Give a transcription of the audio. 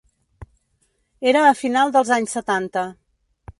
Era a final dels anys setanta.